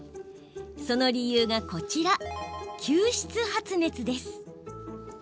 その理由が、こちら吸湿発熱です。